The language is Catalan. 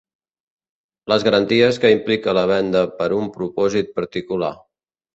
Les garanties que implica la venda per a un propòsit particular.